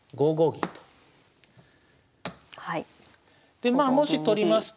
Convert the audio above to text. でまあもし取りますと。